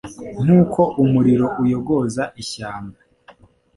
Nk’uko umuriro uyogoza ishyamba